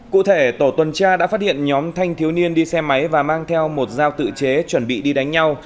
cụ thể tổ tuần tra đã phát hiện nhóm thanh thiếu niên đi xe máy và mang theo một dao tự chế chuẩn bị đi đánh nhau